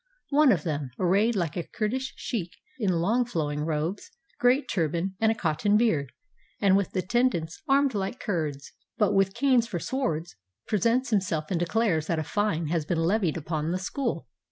One of them, arrayed like a Kurdish sheik, in long flowing robes, great turban, and a cotton beard, and with attend ants armed like Kurds, but with canes for swords, pre sents himself and declares that a fine has been levied upon the school.